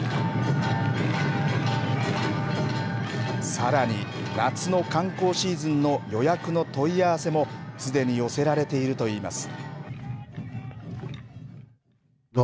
さらに夏の観光シーズンの予約の問い合わせもすでに寄せられていると言います。